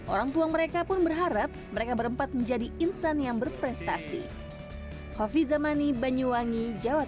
orang tua mereka pun berharap mereka berempat menjadi insan yang berprestasi